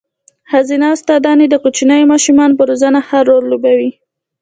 ښځينه استاداني د کوچنيو ماشومانو په روزنه ښه رول لوبوي.